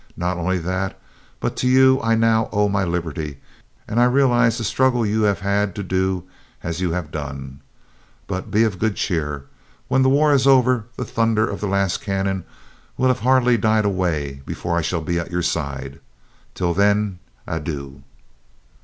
Not only that, but to you I now owe my liberty, and I realize the struggle you have had to do as you have done. But be of good cheer. When the war is over the thunder of the last cannon will hardly have died away before I shall be at your side. Till then adieu."